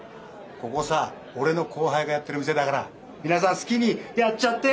ここさ俺の後輩がやってる店だから皆さん好きにやっちゃって。